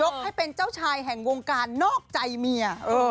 ให้เป็นเจ้าชายแห่งวงการนอกใจเมีย